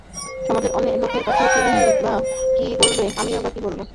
সমাজের লোকের কাছে তুমিই বা কী বলবে আমিই বা কী বলব?